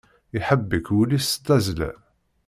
Iḥebbek wul-is s tazla.